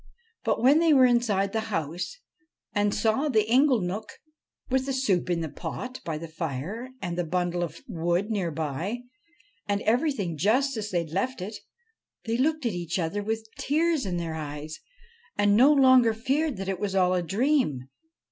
But when they were inside the house, and saw the inglenook, with the soup in the pot by the fire and the bundk of wood near by, and everything just as they had left it, they looked at each other with tears in their eyes and no longer feared that it was all a. dream.